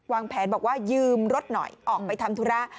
วางแผนบอกว่ายืมรถหน่อยออกไปทำธุระ